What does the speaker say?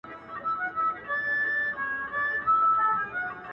• ټولو پردی کړمه؛ محروم يې له هيواده کړمه.